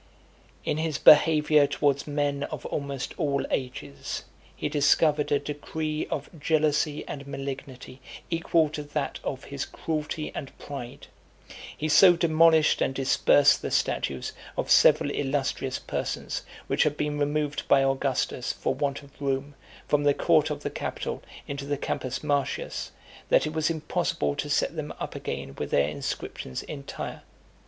XXXIV. In his behaviour towards men of almost all ages, he discovered a degree of jealousy and malignity equal to that of his cruelty and pride. He so demolished and dispersed the statues of several illustrious persons, which had been removed by Augustus, for want of room, from the court of the Capitol into the Campus Martius, that it was impossible to set them up again with their inscriptions entire.